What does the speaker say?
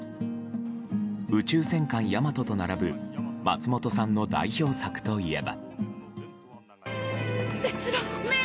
「宇宙戦艦ヤマト」と並ぶ松本さんの代表作といえば。